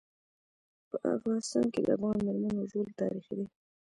په افغانستان کي د افغان میرمنو رول تاریخي دی.